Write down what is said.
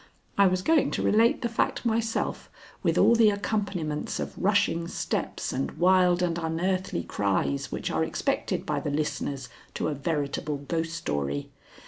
I was going to relate the fact myself, with all the accompaniments of rushing steps and wild and unearthly cries which are expected by the listeners to a veritable ghost story.